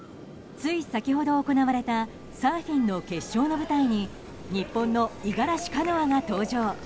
つい先ほど行われたサーフィンの決勝の舞台に日本の五十嵐カノアが登場。